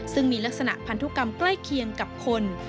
ซึ่งมีลักษณะพันธุกรรมใกล้เคียงกับคน